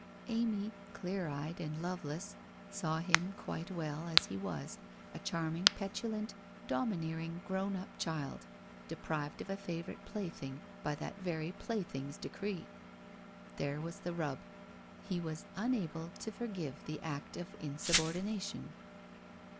Amy, clear eyed, and loveless, saw him quite well as he was, a charming, petu lant, domineering, grown up child, deprived of a favourite plaything by that very plaything's decree. There was the rub. He was unable to forgive the net of insubordination.